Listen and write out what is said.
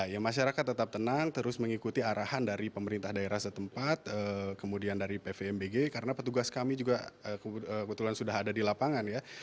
ya masyarakat tetap tenang terus mengikuti arahan dari pemerintah daerah setempat kemudian dari pvmbg karena petugas kami juga kebetulan sudah ada di lapangan ya